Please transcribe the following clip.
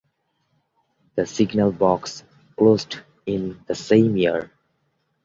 The signal box closed in the same year.